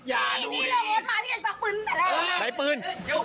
ไหนปืน